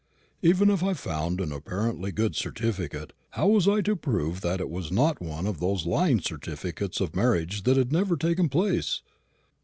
Even if I found an apparently good certificate, how was I to prove that it was not one of those lying certificates of marriages that had never taken place?